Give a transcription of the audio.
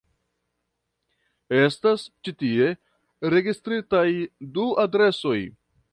Estas ĉi tie registritaj du adresoj.